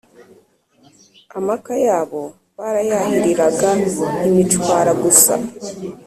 Amaka yabo barayahiriraga imicwara gusa